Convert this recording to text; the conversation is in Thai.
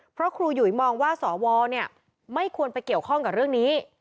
เพราะครูหยุยมองว่าสวไม่ควรไปเกี่ยวข้องกับเรื่องนี้